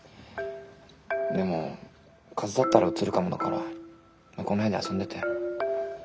でも風邪だったらうつるかもだから向こうの部屋で遊んでて。